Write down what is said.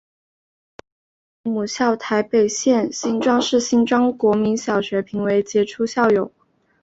同月被母校台北县新庄市新庄国民小学评为杰出校友。